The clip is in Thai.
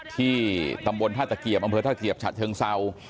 ที่ตรทศเกียปน้ำครองจาดเชิงเซา